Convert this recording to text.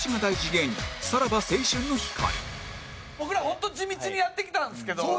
僕ら本当地道にやってきたんですけど。